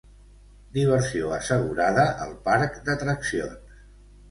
Diversió assegurada al parc d'atraccions.